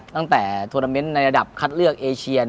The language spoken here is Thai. ตั้งแต่โทรนาเมนต์ในระดับคัดเลือกเอเชีย